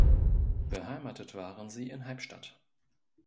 Beheimatet waren sie in Halbstadt.